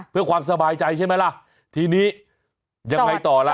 เพื่อความสบายใจใช่ไหมล่ะทีนี้ยังไงต่อล่ะ